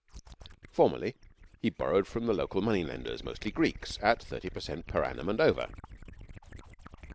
Formerly, he borrowed from the local money lenders, mostly Greeks, at 30 per cent per annum and over.